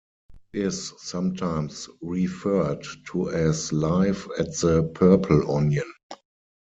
It is sometimes referred to as Live at the Purple Onion.